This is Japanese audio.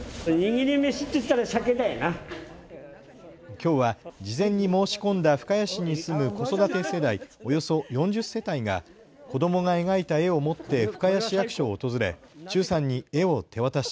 きょうは事前に申し込んだ深谷市に住む子育て世代、およそ４０世帯が子どもが描いた絵を持って深谷市役所を訪れ忠さんに絵を手渡し